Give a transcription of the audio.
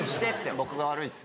僕が悪いです